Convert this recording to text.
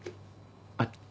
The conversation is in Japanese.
あっ。